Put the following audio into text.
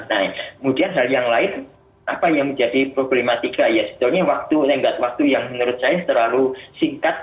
nah kemudian hal yang lain apa yang menjadi problematika ya sebetulnya waktu lenggat waktu yang menurut saya terlalu singkat